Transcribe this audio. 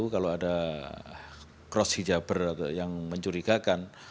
kalau ada cross hijaber atau yang mencurigakan